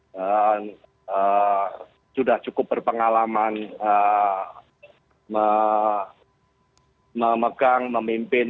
dan sudah cukup berpengalaman memegang memimpin